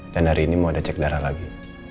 dan hari ini mau ada cek darah lagi